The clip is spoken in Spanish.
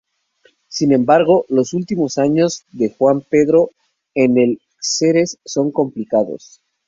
Sin embargo, los últimos años de Juan Pedro en el Xerez son complicados.